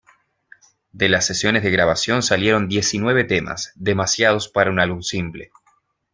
De las sesiones de grabación salieron diecinueve temas, demasiados para un álbum simple.